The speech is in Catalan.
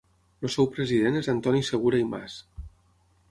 El seu president és Antoni Segura i Mas.